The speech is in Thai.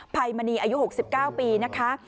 ภัยมณีอายุ๖๙ปีนะคะ